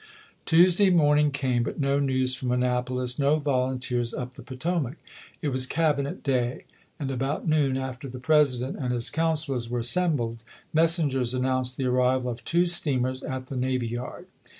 Tuesday moruing came, but no news from Annapolis, no volunteers up the Potomac. It was Cabinet day; and about noon, after the President and his councilors were assembled, messengers announced the arrival of two steamers at the na^^ yard.